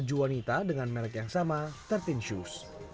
menjual tas dan baju wanita dengan merek yang sama tiga belas shoes